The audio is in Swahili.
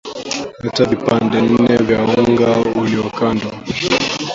kata vipande nne vya unga uliokandwa